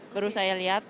baru saya lihat